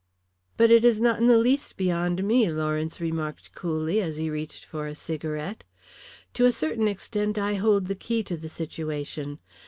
"But it is not in the least beyond me," Lawrence remarked coolly, as he reached for a cigarette. "To a certain extent I hold the key to the situation.